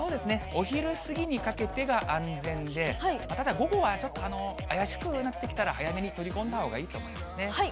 お昼過ぎにかけてが安全で、ただ午後はあやしくなってきたら早めに取り込んだほうがいいと思いますね。